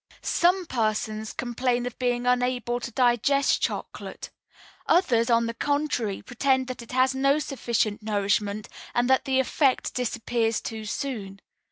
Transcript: "Some persons complain of being unable to digest chocolate; others, on the contrary, pretend that it has not sufficient nourishment, and that the effect disappears too soon.